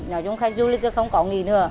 nói chung khách du lịch không có nghỉ nữa